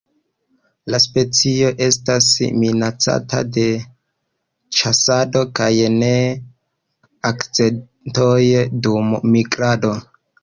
La specio estas minacata de ĉasado kaj de akcidentoj dum migrado.